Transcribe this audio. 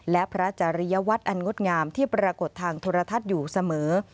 และพระจริยวัตรอันงดงามที่ปรากฏทางโทรทัศน์อยู่เสมอ